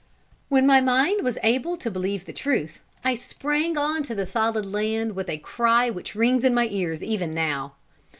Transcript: When my mind was able to believe the truth, I sprang on to the solid land with a cry which rings in my ears even now.